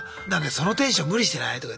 「そのテンション無理してない？」とか。